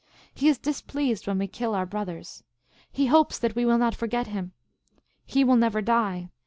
He is displeased when we kill our brothers. He hopes that we will not forget him. He will never die.